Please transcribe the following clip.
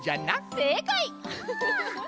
せいかい！